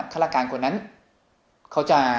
ฆาตการคนนั้นเขาจะ